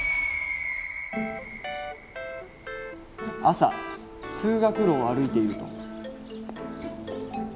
朝通学路を歩いていると。